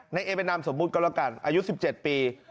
นายเอเป็นนามสมมุติก็แล้วกันอายุ๑๗ปี